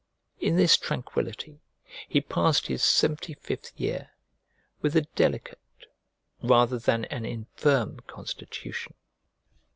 In this tranquillity he passed his seventy fifth year, with a delicate rather than an infirm constitution.